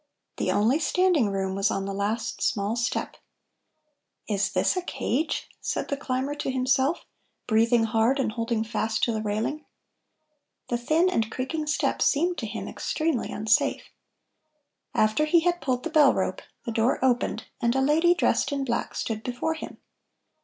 The only standing room was on the last small step. "Is this a cage?" said the climber to himself, breathing hard and holding fast to the railing. The thin and creaking steps seemed to him extremely unsafe. After he had pulled the bell rope, the door opened, and a lady dressed in black stood before him.